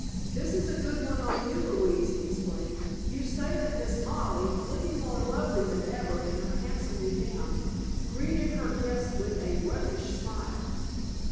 "This is a good one on you, Louise," he exclaimed. "You say that Miss Molly, 'looking more lovely than ever in her handsome new gown, greeted her guests with a roughish smile.'"